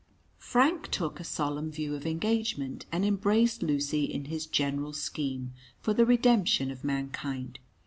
Frank took a solemn view of engagement, and embraced Lucy in his general scheme for the redemption of mankind.